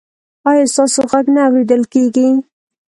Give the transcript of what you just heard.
ایا ستاسو غږ نه اوریدل کیږي؟